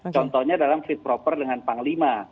contohnya dalam fit proper dengan panglima